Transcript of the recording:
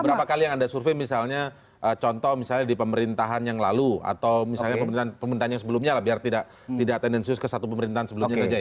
beberapa kali yang anda survei misalnya contoh misalnya di pemerintahan yang lalu atau misalnya pemerintahan pemerintahan yang sebelumnya lah biar tidak tendensius ke satu pemerintahan sebelumnya saja ya